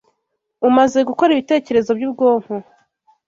Umaze gukora ibitekerezo byubwonko